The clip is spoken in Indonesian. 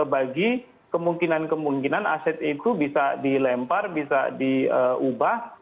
bagi kemungkinan kemungkinan aset itu bisa dilempar bisa diubah